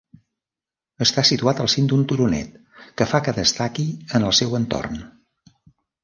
Està situat al cim d'un turonet, que fa que destaqui en el seu entorn.